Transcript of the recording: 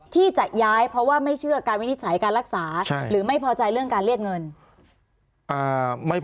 ที่จัดย้ายเพราะว่าไม่เชื่อการวินิจฉัยการรักษา